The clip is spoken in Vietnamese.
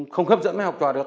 không hấp dẫn với học trò được